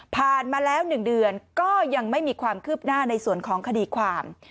มาแล้ว๑เดือนก็ยังไม่มีความคืบหน้าในส่วนของคดีความ